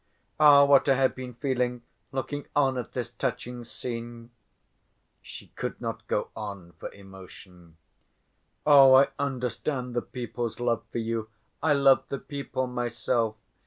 "Ah, what I have been feeling, looking on at this touching scene!..." She could not go on for emotion. "Oh, I understand the people's love for you. I love the people myself.